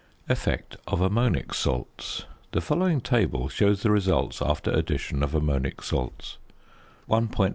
~Effect of Ammonic Salts.~ The following table shows the results after addition of ammonic salts: +++ C.c.